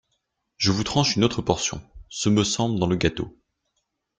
Je vous tranche une autre portion, ce me semble dans le gâteau.